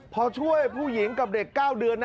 พอช่วยผู้หญิงกับเด็ก๙เดือนนะ